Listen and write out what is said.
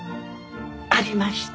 ありました。